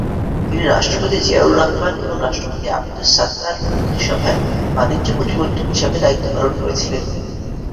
তিনি রাষ্ট্রপতি জিয়াউর রহমান এবং রাষ্ট্রপতি আবদুস সাত্তার মন্ত্রিসভায় বাণিজ্য প্রতিমন্ত্রী হিসাবে দায়িত্ব পালন করেছিলেন।